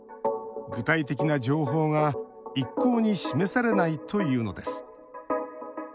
具体的な情報が一向に示されないというのです。